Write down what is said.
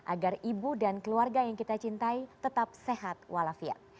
agar ibu dan keluarga yang kita cintai tetap sehat walafiat